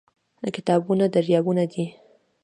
کتابونه دريابونه دي